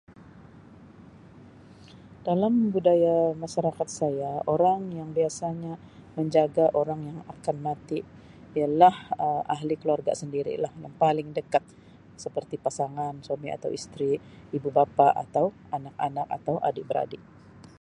Dalam budaya masyarakat saya orang yang biasanya menjaga orang yang akan mati ialah Um ahli keluarga sendirilah yang paling dekat seperti pasangan suami atau isteri ibu-bapa atau anak-anak atau adik-beradik.